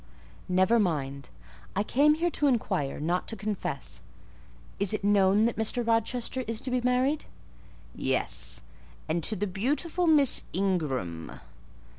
"Never mind: I came here to inquire, not to confess. Is it known that Mr. Rochester is to be married?" "Yes; and to the beautiful Miss Ingram."